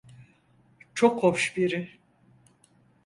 Çok hoş biri.